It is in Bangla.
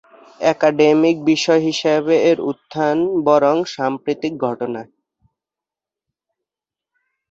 একাডেমিক বিষয় হিসাবে এর উত্থান বরং সাম্প্রতিক ঘটনা।